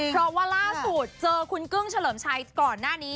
เพราะว่าล่าสุดเจอคุณกึ้งเฉลิมชัยก่อนหน้านี้